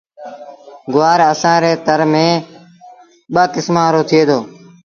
گُوآر اسآݩ ري تر ميݩ ٻآ ڪسمآݩ رو ٿئي دو۔